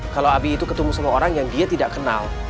kalau abi itu ketemu sama orang yang dia tidak kenal